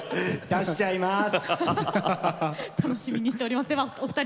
出しちゃいます！